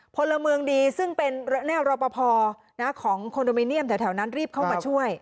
พลเมืองดีซึ่งเป็นแนวรอปภของคอนโดมิเนียมแถวนั้นรีบเข้ามาช่วย